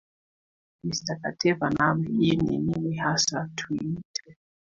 mr kateva naam hii ni nini hasa tuiite